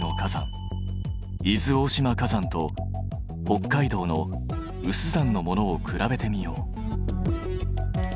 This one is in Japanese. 伊豆大島火山と北海道の有珠山のものを比べてみよう。